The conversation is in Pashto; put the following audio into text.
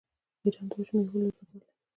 ایران د وچو میوو لوی بازار لري.